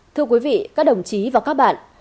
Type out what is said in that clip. thưa quý vị các đồng chí và các bạn